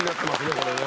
これね。